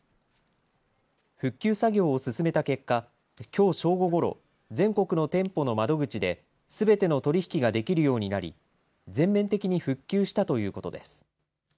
復旧作業を進めた結果、きょう正午ごろ、全国の店舗の窓口ですべての取り引きができるようになり全面的に復旧したということです。